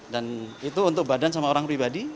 dan itu untuk badan sama orang pribadi